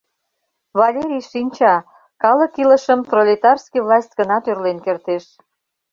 Валерий шинча: калык илышым пролетарский власть гына тӧрлен кертеш.